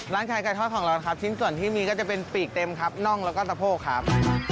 ขายไก่ทอดของเราครับชิ้นส่วนที่มีก็จะเป็นปีกเต็มครับน่องแล้วก็สะโพกครับ